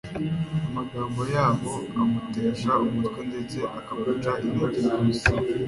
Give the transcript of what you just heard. amagambo yabo amutesha umutwe ndetse akamuca intege rwose.